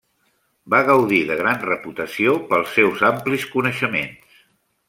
Va gaudir de gran reputació pels seus amplis coneixements.